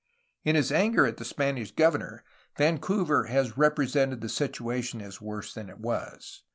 In his anger at the Spanish governor, Vancouver has represented the situation as worse than it was.